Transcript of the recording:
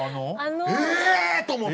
「え！」と思って。